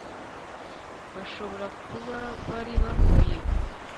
bashobora kuba bari bahuye